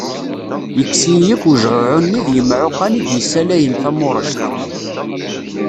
Yekkes-iyi akk wejɛuɛu-nni d yemɛuqan i d-yessalayen tamurejt.